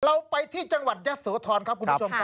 เราไปที่จังหวัดยะโสธรครับคุณผู้ชมครับ